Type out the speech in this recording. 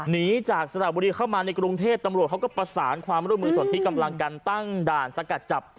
หนีจากสระบุรีเข้ามาในกรุงเทพตำรวจเขาก็ประสานความร่วมมือส่วนที่กำลังกันตั้งด่านสกัดจับ